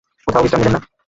কোথাও বিশ্রাম নিলেন না।